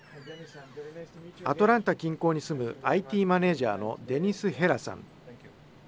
アトランタ近郊に住むＩＴマネージャーのデニス・ヘラさん。